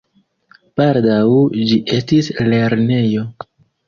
Baldaŭ ĝi estis lernejo.